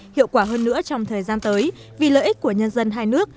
hiệu quả hơn nữa trong thời gian tới vì lợi ích của nhân dân hai nước